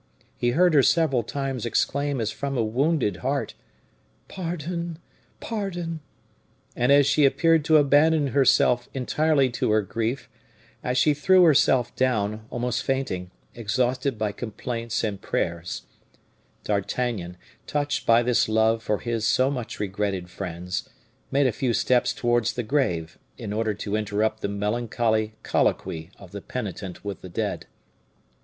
He heard her several times exclaim as from a wounded heart: "Pardon! pardon!" And as she appeared to abandon herself entirely to her grief, as she threw herself down, almost fainting, exhausted by complaints and prayers, D'Artagnan, touched by this love for his so much regretted friends, made a few steps towards the grave, in order to interrupt the melancholy colloquy of the penitent with the dead.